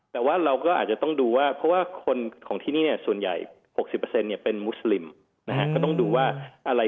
แต่ว่าเราก็อาจจะต้องดูว่าเพราะว่าคนของที่นี่เนี่ยส่วนใหญ่๖๐เนี่ยเป็นมุสลิมนะฮะ